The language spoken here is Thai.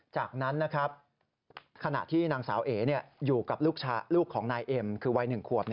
จากนั้นขณะที่นางสาวเออยู่กับลูกของนายเอมคือวัยหนึ่งขวบ